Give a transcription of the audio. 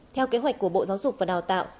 theo kế hoạch của bộ giáo dục và đào tạo